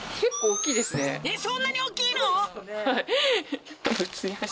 えっそんなに大っきいの？